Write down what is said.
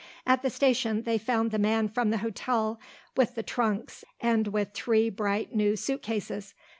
At the station they found the man from the hotel with the trunks and with three bright new suit cases.